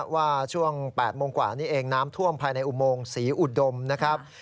ว่าช่วง๘โมงกว่านี้เองน้ำท่วมภายในอุโมงศรีอุดมนะครับ